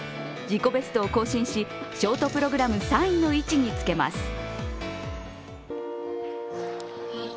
自己ベストを更新しショートプログラム３位の位置につけます。